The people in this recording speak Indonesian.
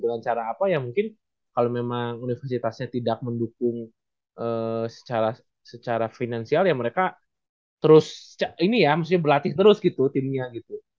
dengan cara apa ya mungkin kalau memang universitasnya tidak mendukung secara finansial ya mereka terus ini ya mesti berlatih terus gitu timnya gitu